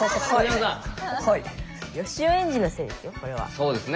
そうですね。